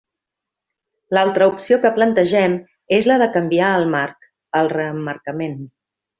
L'altra opció que plantegem és la de canviar el marc: el reemmarcament.